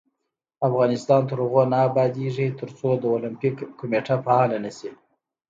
افغانستان تر هغو نه ابادیږي، ترڅو د اولمپیک کمیټه فعاله نشي.